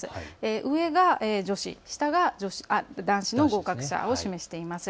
上が女子、下が男子の合格者を示しています。